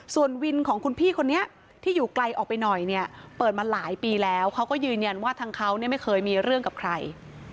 ส่วนวินของคุณพี่คนนี้ที่อยู่ไกลออกไปหน่อยเนี่ยเปิดมาหลายปีแล้วเขาก็ยืนยันว่าทางเขาเนี่ยไม่เคยมีเรื่องกับใคร